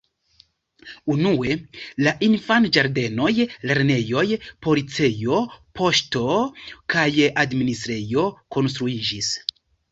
Unue la infanĝardenoj, lernejoj, policejo, poŝto kaj administrejo konstruiĝis.